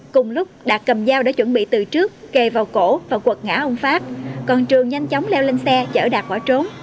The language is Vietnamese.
cùng lúc đạt cầm dao để chuẩn bị từ trước kề vào cổ và quật ngã ông phát còn trường nhanh chóng leo lên xe chở đạt bỏ trốn